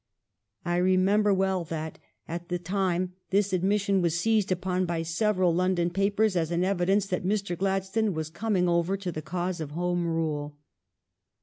I remember well that, at the time, this admission was seized upon by several London papers as an evidence that Mr. Gladstone was coming over to the cause of Home Rule.